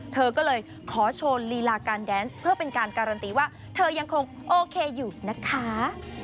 เธอก็เลยขอโชว์ลีลาการแดนส์เพื่อเป็นการการันตีว่าเธอยังคงโอเคอยู่นะคะ